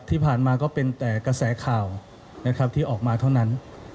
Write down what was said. ที่ผ่านมาก็เป็นแต่กระแสข่าวนะครับที่ออกมาเท่านั้น